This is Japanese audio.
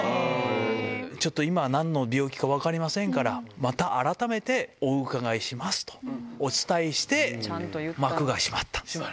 ちょっと今はなんの病気かは分かりませんから、また改めてお伺いしますと、お伝えして、幕が閉まった。